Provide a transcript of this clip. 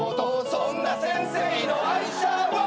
「そんな先生の愛車は」